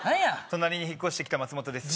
隣に引っ越してきた松本です